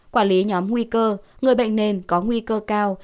quản lý nhóm nguy cơ người bệnh nền có nguy cơ cao